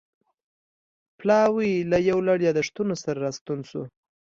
پلاوی له یو لړ یادښتونو سره راستون شو